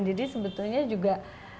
jadi sebetulnya juga